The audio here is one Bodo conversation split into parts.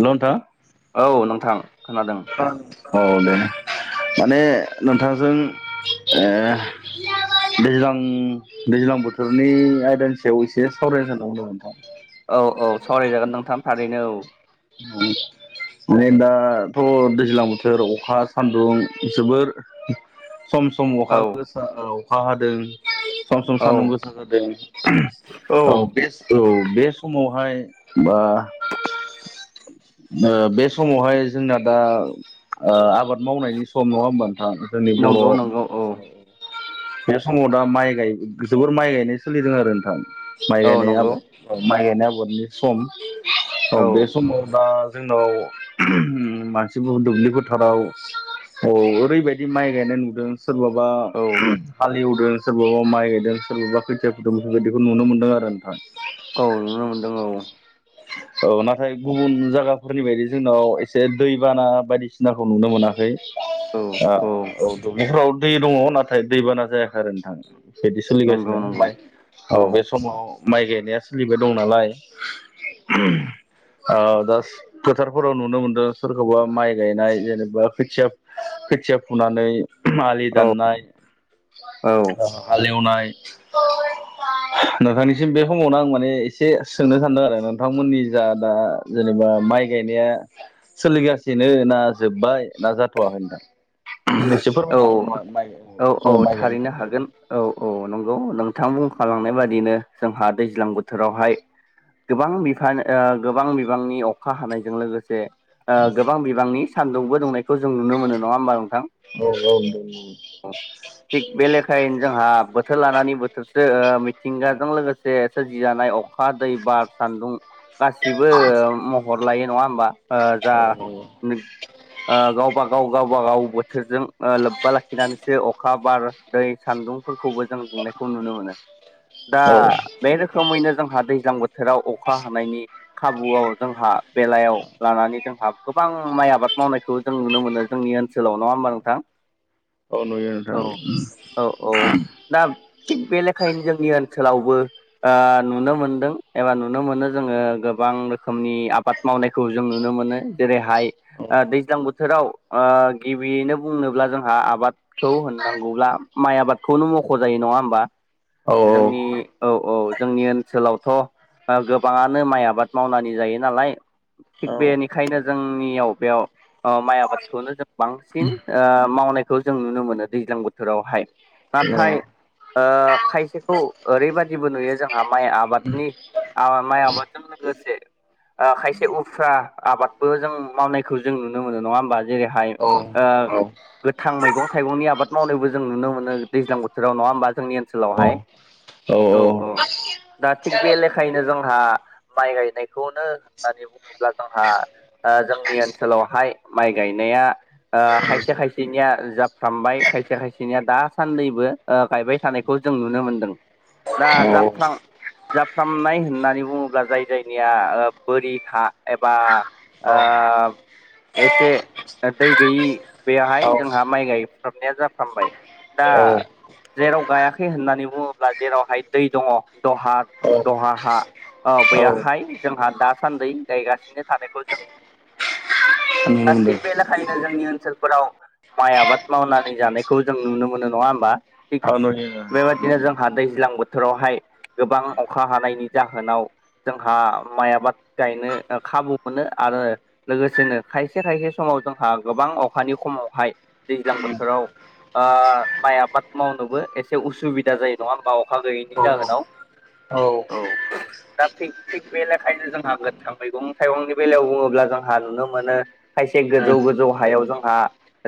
हेल' नोंथां औ नोंथां खोनादों औ दे। माने नोंथांजों ओ [inaudible] दैज्लां दैज्लां बोथोरनि आयदानि सायाव एसे सावरायनो सानदोंमोन नोंथां। औ औ सावरायजागोन नोंथां थारैनो औ। औ। माने दाथ' दैज्लां बोथोर अखा सान्दुं जोबोर। सम सम अखा औ गोसा अखा हादों। सम सम औ सान्दुं गोसा जादों औ बेस्ट औ। बे समावहाय बा बे समावहाय जोंना दा ओ आबाद मावनायनि सम नङा ओमबा। जोंनि बर' नंगौ नंगौ औ ओनसोलाव बे समाव दा माइ गाय जोबोर माइ गायनाय सोलिदों आरो नोंथां। माइ औ गायनाय नंगौ आबाद औ माइ गायनाय आबादनि सम औ बे समाव दा [inaudible] जोंनाव मानसिफोर दुब्लि फोथाराव [inaudible] औ ओरैबायदि माइ गायनाय नुदों सोरबाबा औ हालेवदों सोरबाबा माइ गायदों सोरबाबा खोथिया फुदुं बे बेखौ नुनो मोनदों आरो नोंथां। औ नुनो मोनदों औ। औ नाथाय गुबुन जायगाफोरनि बायदि जोंनाव एसे दैबाना बायदिसिनाखौ नुनो मोनाखै। ओ औ दुब्लिफोराव दै दङ नाथाय दैबाना जायाखै आरो नोंथां। बिदि नंगौ सोलिगासिनो नंगौ ओमफ्राय औ बे समाव। माइ गायनाया सोलिबाय दं नालाय। ओ दा फोथारफोराव नुनो मोनदों सोरखौबा माइ गायनाय जेनेबा खोथिया खोथिया फुनानै आलि औ दाननाय औ हाल एवनाय औ नोंथांनिसिम बे समावनो आं माने एसे सोंनो सानदों आरो नोंथांमोननि जा दा जेन बा माइ गायनाया सोलिगासिनो ना जोब्बाय ना जाथ'वाखै नोंथां एसे औ फोरमायनो हागोन नामा माइ औ औ समाव माइ थारैनो गायनायखौ हागोन औ औ नं खौ नोंथाङा बुंखालांनाय बायदिनो जोंहा दैज्लां बोथोरावहाय गोबां बिफान ओ गोबां बिबांनि अखा हानायजों लोगोसे ओ गोबां बिबांनि सान्दुंबो दुंनायखौ जों नुनो मोनो नङा ओमबा नोंथां औ औ थिग बे लेखायैनो जोंहा बोथोर लानानै बोथोरसो मिथिं औ गाजों लोगोसे सोरजिजानाय अखा, दै, बार, सान्दुं गासिबो महर लायो नङा ओमबा जा नंगौ। ओ गावबा गाव गावबा गाव बोथोरजों ओ लोब्बा लाखिनानैसो अखा, बार, दै, सान्दुंफोरखौबो जों दुंनायखौ नुनो मोनो दा औ बे रोखोमैनो जोंहा दैज्लां बोथोराव अखा हानायनि खाबुआव जोंहा बेलायाव लानानै जोंहा गो बां माइ आबाद मावनायखौ जों नुनो मोनो जोंनि ओनसोलाव नङा ओमबा नोंथां औ नुयो औ नोंथां औ औ दा थिग बे लेखायैनो जोंनि ओनसोलावबो ओ नुनो मोनदों एबा नुनो मोनो जोङो गोबां गोबां रोखोमनि आबाद मावनायखौ जों नुनो मोनो जेरै हायो दैज्लां बोथोराव गिबियैनो बुंनो ब्ला आबादखौ होननांगौब्ला माइ आबादखौनो मख' जायो नङा ओमबा औ जोंनि औ औ जोंनि ओनसोलावथ' गोबाङानो माइ आबाद मावनानै जायो नालाय थिग औ बेनिखायनो जोंनियाव बेयाव माइ आबादखौनो जों बांसिन ओ मावनायखौ जों नुनो मोनो दैज्लां बोथोरावहाय नाथाय ओ खायसेखौ ओरैबदिबो नुयो जोंहा माइ आबादनि आ माया आबनो ग लोगोसे खायसे उफ्रा आबादबो जों मावनायखौ जों नुनो मोनो नङा होमबा जेरैहाय औ आ गोथां मैगं थाइगंनि आबाद मावनायबो जों नुनो मोनो दैज्लां बोथोराव नङा होमबा जोंनि ओनसोलावहाय औ औ दा थिग बे लेखायैनो जोंहा माइ गायनायखौनो होननानै बुङोब्ला जोंहा जोंनि ओनसोलावहाय माइ गायनाया खायसे खायसे खायसेनिया जाफ्रामबाय खायसे खायसेनिया दासान्दिबो गायबाय थानायखौ जों नुनो मोनदों ना जाबथां जाफ्रामनाय होननानै बुङोब्ला जाय जायनिया बोरि हा एबा ओ एसे दै गैयि बेयाहाय जोंहा माइ गायफ्रामनाया जाफ्रामबाय दा जेराव गायाखै होननानै बुङोब्ला जेरावहाय दै दङ दहा औ दहा हा औ बेैयहाय जोंहा दासान्दि गायगासिनो थानायखौ जों नुनो मोनो नुनो दा मोनदों थिग बे लेखायैनो जोंनि ओनसोल फोराव माइ आबाद मावनानै जानायखौ जों नुनो मोनो नङा होमबा थिग औ नुयो बेबायदिनो जोंहा दैज्लां बोथोरावहाय गोबां अखा हानायनि जाहोनाव जोंहा माइ आबाद गायनो खाबुखोनो आरो लोगोसेनो खायसे खायसे समाव जोंहा गोबां अ खानि खमावहाय दैज्लां बोथोराव ओ माइ आबाद मावनोबो एसे उसुबिदा जायो नङा होमबा अखा औ गैयैनि जाहोनाव औ दा थिग थिग बेलेखायनो जोंहा गोथां मैगं थाइगंनि बेलायाव बुङोब्ला जों नुनो मोनो खायसे नुयो नुयो गोजौ औ गोजौ हायाव जों आ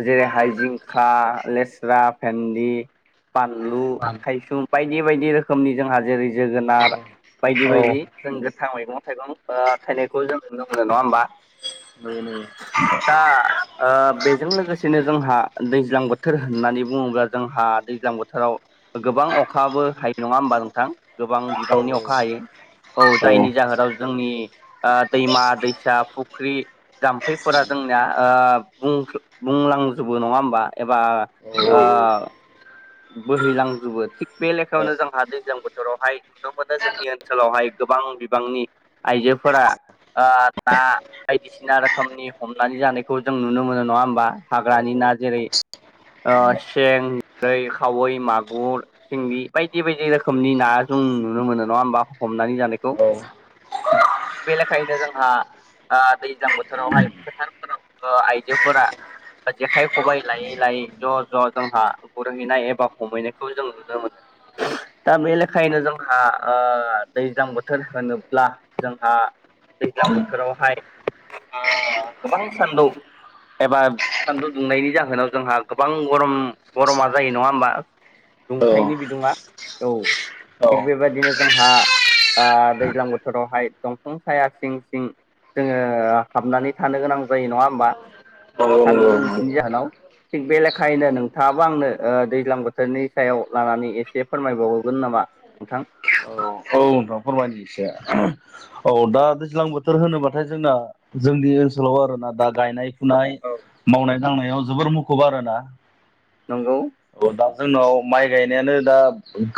जेरै हाइ जिंखा लेस्रा फेन्दि बानलु खायसुम बायदि बायदि रोखोमनि जोंहा जेरै जोगोनार बायदि औ बायदि जों गोथां मैगं थाइगं ओ थाइनायखौ जों नुनो मोनो नङा होमबा? दा ओ बेजों लोगोसेनो जोंहा दैज्लां बोथोर होननानै बुङोब्ला जोंहा दैज्लां बोथोराव गोबा गोबां अखाबो हायो नङा होमबा नोंथां गोबां बिबांनि अखा हायो औ जायनि जाहोनाव जोंनि दैमा दैसा फुख्रि जाम्फैफोरा जोंनिया ओ बुंखो बुंलांजोबो नङा होमबा एबा ओ बोहैलांजोबो थिग बे लेखायावनो जोंहा दैजां बोथोरावहाय नुनो मोनो जोंनि ओनसोलावहाय गोबां बिबांनि आइजोफोरा ओ दा बायदिसिना रोखोमनि हमनानै जानायखौ जों नुनो मोनो नङा होमबा हाग्रानि न जेरै अ सें जेरै खावै मागुर सिंगि बायदि बायदि रोखोमनि ना जों नुनो मोनो नङा होमबा हम नानै जानायखौ। [unintelligible] बे लेखायैनो जोंहा आ दैज्लां बोथोरावहाय फोथारफोराव आइजोफोरा जेखाइ खबाइ लायै लायै ज ज जोंहा हरहैनाय एबा हमहैनायखौ जों नुनो मोनो। दा बे लेखायैनो जोंहा दैज्लां बोथोर होनोब्ला जोंहा दैज्लां बोथोरावहाय ओ [unintelligible] गोबां सानदौ एबा सान्दुं दुंनायनि जाहोनाव जोंहा गोबां गरम गरमा जायो नङा होमबा दुंथायनि बिदुङा औ थिग बेबायदिनो जोंहा दैज्लां बोथोरावहाय दंफां साया सिं सिं जोङो हाबनानै थानो गोनां जायो नङा होमबा? नंगौ सान्दुं नंगौ दुंनायनि जाहोनाव थिग बे लेखायैनो नों थांआबो आंनो दैज्लां बोथोरनि सायाव लानानै एसे फोरमायबावहगोन नामा नोंथां? अ औ नों फोरम एसे औ दा दैज्लां बोथोर होनोबाथाय जोंना जोंनि ओन सोलाव आरो ना दा गायनाय फुनाय मावनाय दांनायाव जोबोर मुखुब आरोना। नंगौ औ दा जोंनाव माइ गायनायानो दा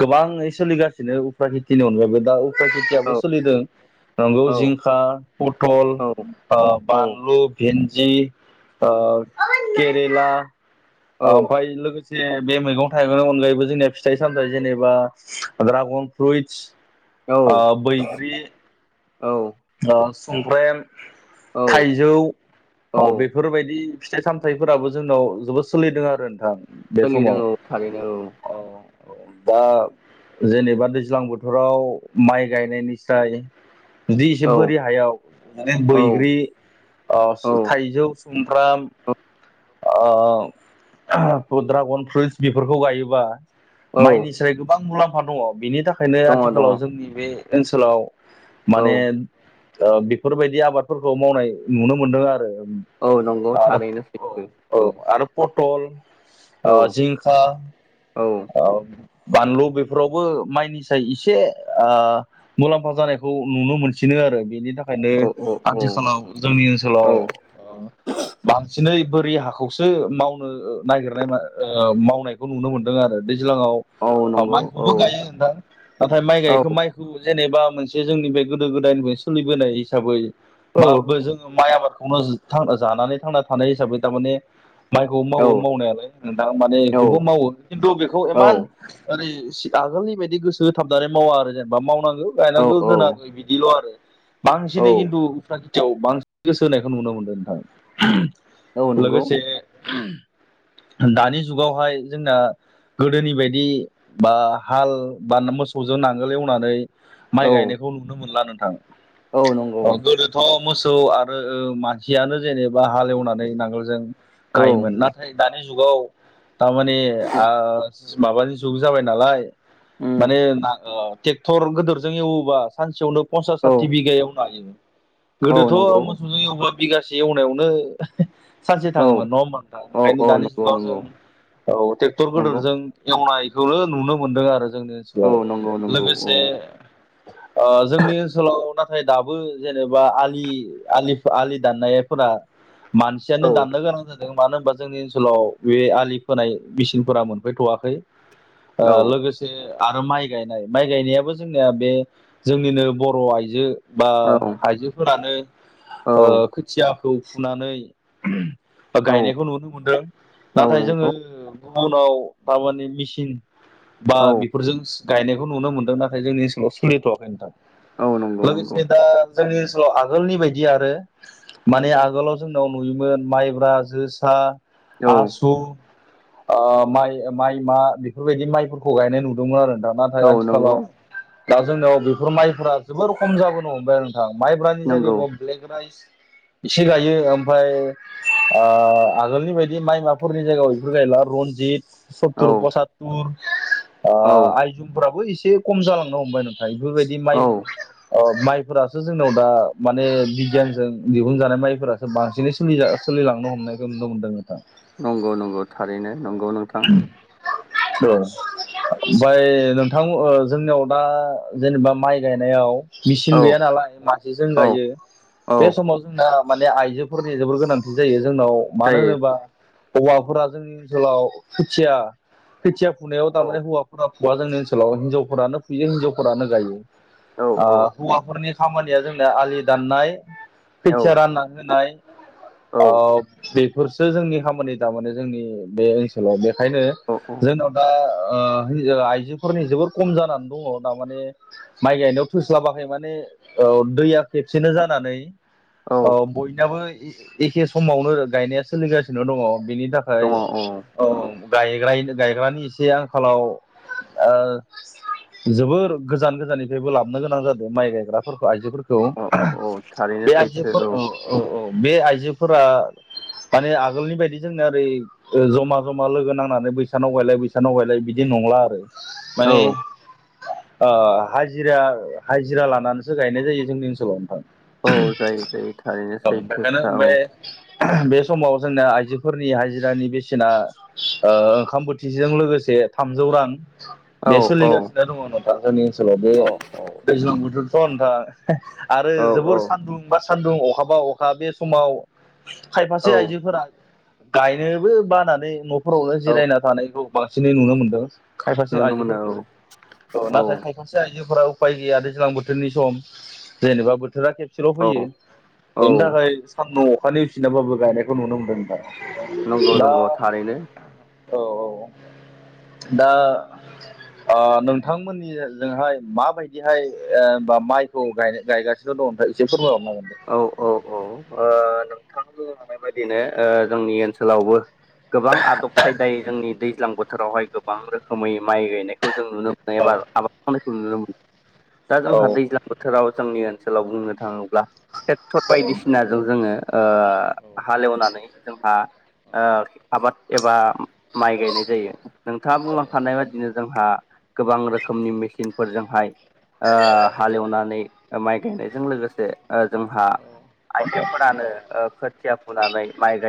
गोबाङै सोलिगासिनो उफ्रा खेथिनि अनगायैबो दा फ्रा औ खेथियाबो सोलिदों नंगौ औ जिंखा पथल औ आ औ बानलु भेन जि केरेला ओमफ्राय लोगोसे एसे बे मैगं थाइगंनि अनगायैबो जोंनिया फिथाइ सामथाइ जेनेबा दड्रागन फ्रुइटस औ आ बैग्रि सुमफ्रेम औ थाइजौ औ बेफोरबायदि फिथाइ सामथाइफोराबो जोंनाव जोबोद सोलिदों आरो नोंथां। बे सोलिदों समाव औ थारैनो औ। दा जेनेबा दैज्लां बोथोराव माइ गायनायनिसाय बिदि एसे औ बोरि हायाव औ बैग्रि औ थाइजौ सुमफ्राम औ अ दड्रागन फ्रुइट्स बेफोरखौ गायोबा औ माइनि साय गोबां मुलाम्फा दङ बिनि थाखायनो दङ दङ आथिखालाव जोंनि बे ओनसोलाव औ माने बेफोरबायदि आबादफोरखौ मावनाय नुनो मोनदों आरो। औ नंगौ आरो थारैनो औ औ सैथो आरो फर टल औ जिंखा औ बानलु बेफोरावबो माइनिसाय आं एसे मुलाम्फा जानायखौ खौ नुनो मोनसिनो आरो बेनि थाख ओंखायनो औ औ औ आथिखालाव जोंनि ओनसोलाव औ बांसिनै बोरि हाखौसो मावनो नागिरनाय मावनायखौ नुनो मोनदों आरो सिगङाव औ नंगौ औ माइखौबो गायो नोंथां नाथाय माइ औ गायखौ माइखौ जेनेबा मोनसे जोंनि बे गोदो गोदायनिफ्रायनो सोलिबोनाय हिसाबै औ बाबो जोङो माइ आबाद खौनो जानानै थांना थानाय हिसाबै थारमाने माइखौ औ मावो मावनायालाय नोंथां माने बेखौबो मावो खिन्थु बेखौ इमान ओरै आगोलनि बायदि गोसो हो थाबनानै मावा आरो जेनेबा मावनांगौ औ गायनांगौ औ दोनांगौ बिदिल' आरो औ बांसिनै खिन्थु उफ्रा खेथियाव बांसिन गोसो होनायखौ नुनो मोनदों नोंथां। औ नंगौ लोगोसे दानि जुगावहाय जोंना गोदोनि बायदि बा हाल बा मोसौजों नांगोल एवनानै माइ औ गायनाय मोनला नोंथां औ नंगौ गोदोथ' मोसौ आरो मानसियानो जेनेबा हालेवनानै नांगोलजों औ गायोमोन नाथाय। दानि जुगाव थारमाने आ माबानि जुग जाबाय नालाय उम माने ट्रेक्टर गिदोरजों एवोबा सानसेयावनो फसा औ साथि बिघायावनो ह औ नंगौ गोदोथ' मोसौबेबा बि ससे एवनायावनो सानसे औ थाङोमोन नङ होमबाथा औ ओंखायनो औ दानि नंगौ जुगाव जों नंगौ औ ट्रेक्टर नंगौ गदोरजों एवनाय खौनो नुनो मोनदों आरो जोंनि औ ओनसोलाव नंगौ नंगौ औ लोगोसे ओ जोंनि ओनसोलाव नाथाय दाबो जेनेबा आलि आ आलि दाननायफोरा मानसियानो औ दाननो गोनां जादों मानो होनबा जोंनि ओनसोलाव बे आलि फोनाय मेसिनफोरा मोनफैथ'वाखै औ लोगोसे आरो माइ गायनाय माइ गायनायाबो जोंनिया बे जोंनिनो बर' आइजो बा औ आइजोफोरानो औ खोथिया खौ फुनानै औ गायनायखौ नुनो मोनदों औ नाथाय जोङो नंगौ उनाव दामानि मेसिन बा औ बेफोरजों गायनायखौ नुनो मोनो। नाथाय जोंनि ओनसोलाव सोलिथवाखै नोंथां औ नंगौ नंगौ लोगोसेनो दा जोंनि ओनसोलाव आगोलनि बायदि आरो माने आगोलाव जोंनाव नुयोमोन माइब्रा जोसा औ आसु माइ माइमा बेफोरबायदि माइफोरखौ गायनाय नुदोंमोन आरो न नाथाय औ नंगौ आथिखालाव दा जोंनियाव बेफोर माइफोरा जोबोर खम जाबोनो हमबाय माइब्रानि नंगौ जायगायावब ब्लेक राइस एसे गायो ओमफाय आगोलनि बायदि माइमाफोरनि जायगायाव बेफोर गायला रन्जित औ सुटुर पसातुर औ आइजंफ्राबो एसे खम जालांनो हमबाय नाथाय बेफोरबायदि माइ औ ओ माइफोरासो जोंनाव दा माने बिगियानजों दिहुनजानाय माइफोरासो बांसिनै लांनो हमनायखौ नुनो मोनदों नोंथां। नंगौ नंगौ थारैनो नंगौ नोंथां। ओमफाय नोंथां जोंनियाव बा जेनेबा माइ गायनायाव मेचिन औ गैया नालाय मासेजों औ गायो औ बे समाव जोंना माने आइजोफोरनि जोबोर गोनांथि जायो जोंनाव मानो जायो होनोबा हौवाफोरा जोंनि ओनसोलाव खोथिया खोथिया फुनायाव औ थारमाने हौवाफोरा हौवा जोंनि ओनसोलाव हिनजावफोरानो फुयो हिनजावफोरानो गायो औ औ औ हौवाफोरनि खामानि जोंना आलि दाननाय खोथिया रानना होनाय औ ओ फोरसो जोंनि खामानि थारमाने जोंनि बे ओनसोलाव बेखायनो औ औ जोंनाव दा ओ आइजोफोरनि जोबोर खम जानानै दङ दामाने माइ गायनायाव थोस्लाबाखै माने दैया खेबसेनो जानानै औ बयनाबो एखे समावनो गायनाया सोलिगासिनो दङ। बिनि थाखाय औ गायग्राय गायग्रानि एसे आंखालाव ओ जोबोर गोजान गोजाननिफ्रायबो लाबोननो गोनां जादों माइ गायग्राफोरखौ आइजोफोरखौ औ औ थारैनो बे सैथो आइजोफोर औ बे आइजोफोरा माने आगोलनि बायदि जोंनो ओरै जमा जमा लोगो नांनानै बैसाव गायलाय बैस नाव गायलाय बिदिनो नंला आरो औ माने हाजिरा हाजिरा लानानैसो गायनाय जायो जोंनि ओनसोलाव नोंथां औ जायो जायो थारैनो औ सैथो बेखायनो खोथा औ बे बे समाव जोंना आइजोफोरनि हाजिरानि बेसेना ओंखाम बोथिजों लोगोसे थामजौ रां औ बे औ सोलिगासिनो दङ नोंथा जोंनि ओनसोलाव बे औ दैज्लां बोथोरथ नोंथां आरो औ जोबोर औ सान्दुं बा सान्दुं अखाबा अखा बे समाव औ खायफासे आइजोफोरा गायनोबो बानानै न'फोरावनो औ जिरायना थानायखौ बांसिनै नुनो मोनदों खायफासे नुनो मोनो औ आइजोफोरखौ नाथाय औ खायफासे आइजो उफाय गैया दैज्लां बोथोरनि सम जेनेबा बोथोरा खेबसेल औ फैयो औ बेनि थाखाय सानदुं अखानायफिनाबाबो गायनायखौ नुनो मोनदों दा नंगौ नंगौ थारैनो औ औ दा नों नोंथांमोननि जजोंहाय माबायदिहाया माइखौय गायगासिनो दं ओमफ्राय इसे फोरमायहर औ औ औ हानाय बायदिनो जोंनि ओनसोलावबो गोबां आदब खायदायै जोंनि दैज्लां बोथोर फोथोरावहाय गोबां रोखोमै माइ गायनायखौ जों नुनो मोनो दे एबा आबाद मावनायखौ नुनो मोनो दा औ जोंहा दैज्लां बोथोराव जोंनि ओनसोलाव बुंनो थाङोब्ला ट्रेक्टर औ बायदिसिनाजों जोङो औ हालेवनानै जोंहा आबाद एबा माइ गायनाय जायो नोंथाङा बुंलांखानाय बादिनो जोंहा गोबां रोखोमनि मेसिनफोरजोंहाय हालेवनानै माइ गायनायजों लोगोसे जोंहा आइजोफोरानो खोथिया फुनानै माइ गाय